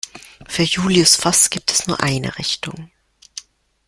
Für Julius Voß gibt es nur eine Richtung.